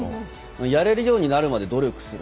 やれるようになるまで努力する。